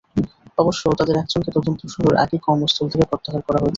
অবশ্য তাঁদের একজনকে তদন্ত শুরুর আগেই কর্মস্থল থেকে প্রত্যাহার করা হয়েছিল।